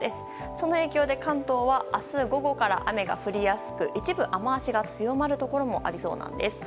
その影響で関東は明日午後から雨が降りやすく一部、雨脚が強まるところもありそうなんです。